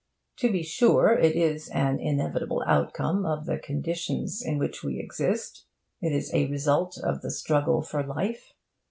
To be sure, it is an inevitable outcome of the conditions in which we exist. It is a result of the struggle for life.